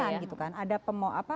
ibu harus melihatkan gitu kan